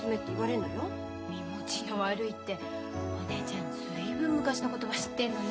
身持ちの悪いってお姉ちゃん随分昔の言葉知ってんのね。